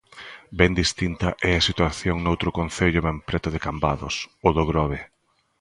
Ben distinta é a situación noutro concello ben preto de Cambados: o do Grove.